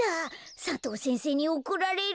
佐藤先生におこられる！